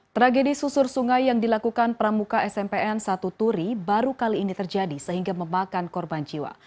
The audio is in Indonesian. tragedi susur sungai yang dilakukan pramuka smpn satu turi baru kali ini terjadi sehingga memakan korban jiwa